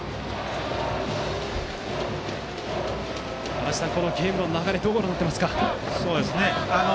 足達さん、ゲームの流れをどうご覧になっていますか？